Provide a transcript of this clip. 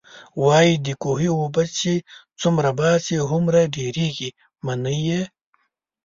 وايي د کوهي اوبه چې څومره باسې، هومره ډېرېږئ. منئ يې؟